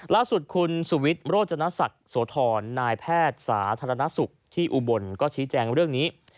ล่าสุดคุณสุวิทย์โรจนศักดิ์โสธรนายแพทย์สาธารณสุขที่อุบลก็ชี้แจงเรื่องนี้